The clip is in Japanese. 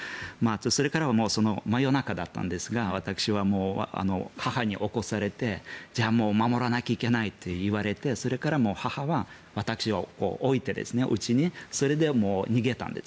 それから、夜中だったんですが私は母に起こされてもう守らなきゃいけないと言われてそれから、母は私をうちに置いてそれで逃げたんです。